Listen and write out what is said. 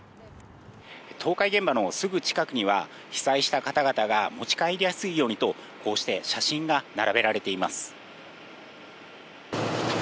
倒壊現場のすぐ近くには被災した方々が持ち帰りやすいようにと写真が並べられています。